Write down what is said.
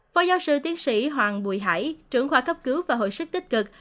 phó giáo sư tiến sĩ hoàng bùi hải trưởng khoa cấp cứu và hồi sức tích cực